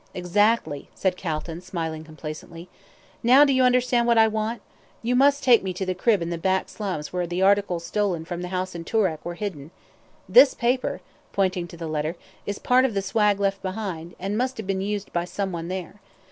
"Exactly," said Calton, smiling complacently. "Now do you understand what I want you must take me to the crib in the back slums where the articles stolen from the house in Toorak were hidden. This paper" pointing to the letter "is part of the swag left behind, and must have been used by someone there.